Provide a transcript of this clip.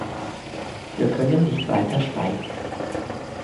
Wir können nicht weiter schweigen.